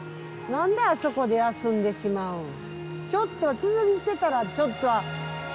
何であそこで休んでしまうん？なぁ？